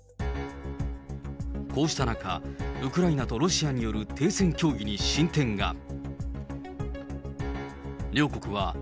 こうした中、ウクライナとロシアによる停戦協議に進展が。